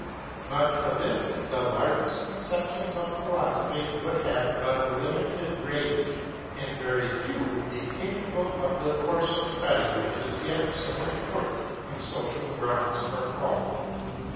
But for this, the larger conceptions of philosophy would have but a limited range, and very few would be capable of the course of study which is yet so important on social grounds for all.